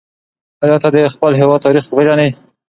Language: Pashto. آیا ته د خپل هېواد تاریخ پېژنې؟